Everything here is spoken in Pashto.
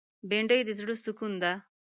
بېنډۍ د زړه سکون ده